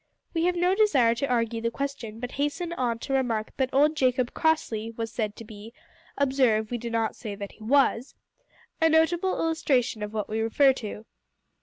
We have no desire to argue the question, but hasten on to remark that old Jacob Crossley was said to be observe, we do not say that he was a notable illustration of what we refer to.